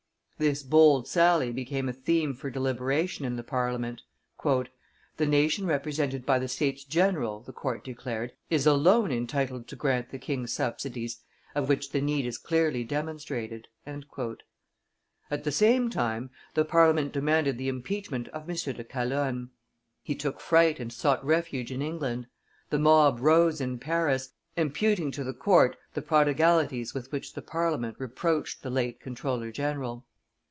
This bold sally became a theme for deliberation in the Parliament. "The nation represented by the States general," the court declared, "is alone entitled to grant the king subsidies of which the need is clearly demonstrated." At the same time the Parliament demanded the impeachment of M. de Calonne; he took fright and sought refuge in England. The mob rose in Paris, imputing to the court the prodigalities with which the Parliament reproached the late comptroller general.